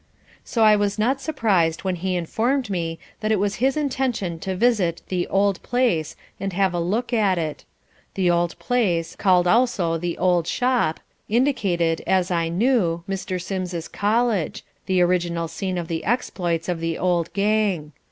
So I was not surprised when he informed me that it was his intention to visit "the old place" and have a look at it. The "old place," called also the "old shop," indicated, as I knew, Mr. Sims's college, the original scene of the exploits of the old gang.